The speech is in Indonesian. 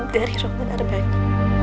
dari roman armani